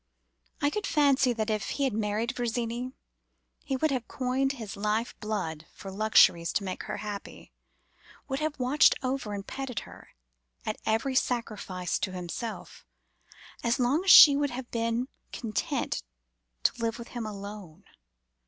I could fancy that if he had married Virginie, he would have coined his life blood for luxuries to make her happy; would have watched over and petted her, at every sacrifice to himself, as long as she would have been content to live with him alone.